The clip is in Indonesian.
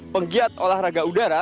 penggiat olahraga udara